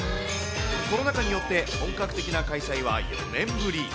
コロナ禍によって本格的な開催は４年ぶり。